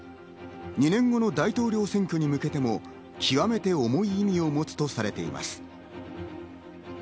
２年後の大統領選挙に向けても、極めて重い意味を持つとされています。